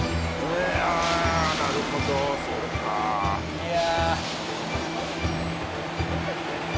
あなるほどそうか。いや。